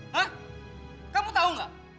hah kamu tau gak